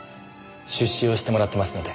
出資をしてもらってますので。